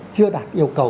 chưa đạt yêu cầu